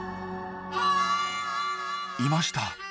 いました。